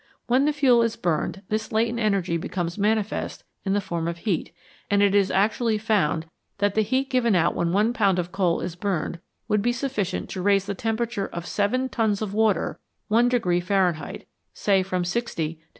When the fuel is burned this latent energy becomes manifest in the form of heat, and it is actually found that the heat given out when one pound of coal is burned would be sufficient to raise the temperature of seven tons of water 1 Fahrenheit say from 60 to 61.